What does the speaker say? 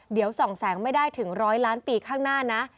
เดี๋ยวส่องแสงไม่ได้ถึงร้อยล้านปีข้างหน้านะ